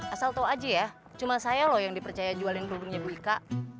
asal tahu aja ya cuma saya loh yang dipercaya jualin produknya bu ika